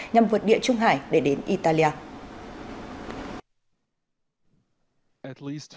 nhằm vượt địa trung hải để đến italia